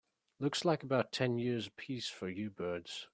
Looks like about ten years a piece for you birds.